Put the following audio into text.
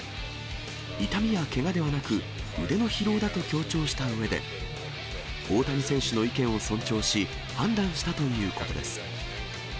痛みやけがではなく、腕の疲労だと強調したうえで、大谷選手の意見を尊重し、判断したということです。